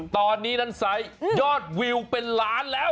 ตอนนี้นั้นไซส์ยอดวิวเป็นล้านแล้ว